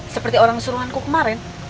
seperti orang suruhanku kemarin